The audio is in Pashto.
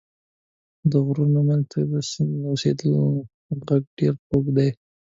د غرونو منځ کې د سیند اوبو غږ ډېر خوږ دی.